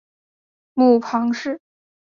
母庞氏。